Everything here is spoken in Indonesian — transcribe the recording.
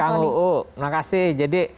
kang uu makasih jadi